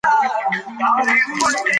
ځینې خلک تل بدې پایلې اټکل کوي.